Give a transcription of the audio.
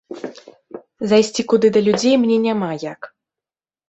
Зайсці куды да людзей мне няма як.